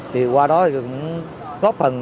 thì qua đó cũng góp phần